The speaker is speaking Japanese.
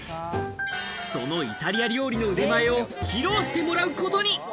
そのイタリア料理の腕前を披露してもらうことに。